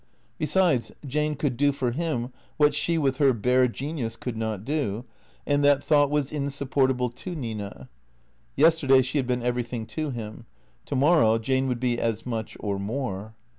Besides, Jane could do for him what she with her bare genius could not do, and that thought was insupport able to Nina. Yesterday she had been everything to him. To morrow Jane would be as much, or more.